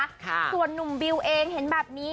ส่วนหนุ่มเองส่วนนิวเห็นแบบนี้